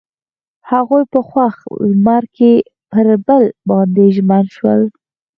هغوی په خوښ لمر کې پر بل باندې ژمن شول.